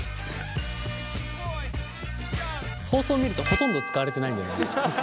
放送見るとほとんど使われてないんだよね。